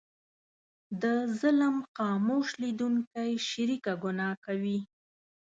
د ظلم خاموش لیدونکی شریکه ګناه کوي.